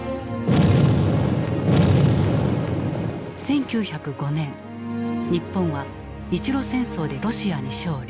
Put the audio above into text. １９０５年日本は日露戦争でロシアに勝利。